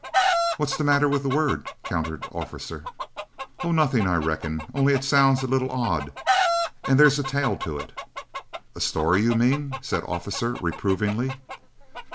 "What's the matter with the word?" countered Officer. "Oh, nothing, I reckon, only it sounds a little odd, and there's a tale to it." "A story, you mean," said Officer, reprovingly.